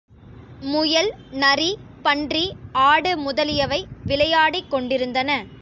முயல், நரி, பன்றி, ஆடு முதலியவை விளையாடிக்கொண்டிருந்தன.